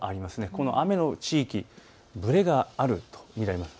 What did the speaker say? この雨の地域ぶれがあると見られます。